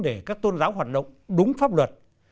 để các tôn giáo hoạt động đúng pháp luật